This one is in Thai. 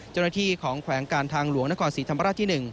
เจ้าหน้าที่ของแขวงการทางหลวงนครศรีธรรมราชที่๑